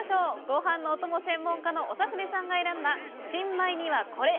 ご飯のお供専門家の長船さんが選んだ新米にはこれ！